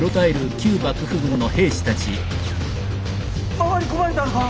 回り込まれたのか？